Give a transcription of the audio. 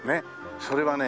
それはね